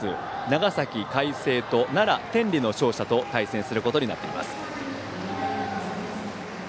長崎・海星と奈良・天理の勝者と対戦することになっています。